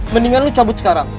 mendingan lu cabut sekarang